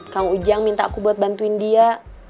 kang ujang minta aku buat bantuin dia